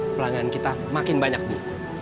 pelanggan kita makin banyak bu